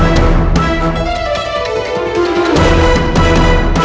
jahat dewa batahmu